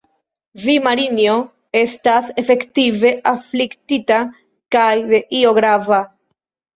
Vi, Marinjo, estas efektive afliktita kaj de io grava.